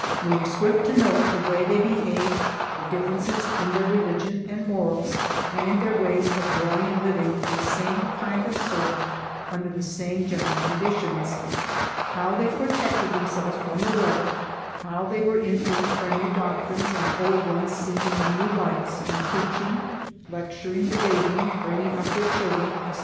We were swift to note the way they behaved, the differences in their religion and morals, and in their ways of drawing a living from the same kind of soil under the same general conditions; how they protected themselves from the weather; how they were influenced by new doctrines and old ones seen in new lights in preaching, lecturing, debating, bringing up their children, etc.